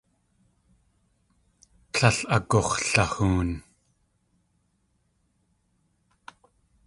Tlél agux̲lahoon.